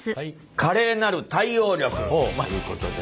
「華麗なる対応力！！」いうことでね。